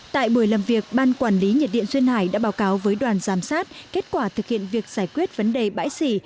tại buổi làm việc ban quản lý nhiệt điện duyên hải đã báo cáo với đoàn giám sát kết quả thực hiện việc giải quyết vấn đề bãi xỉ